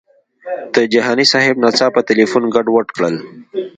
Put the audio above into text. د جهاني صاحب ناڅاپه تیلفون ګډوډ کړل.